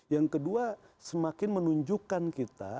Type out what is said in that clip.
yang kedua semakin menunjukkan kita